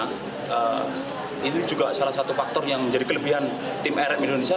karena itu juga salah satu faktor yang menjadi kelebihan tim rm indonesia